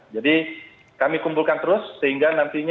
jadi kami kumpulkan terus sehingga nantinya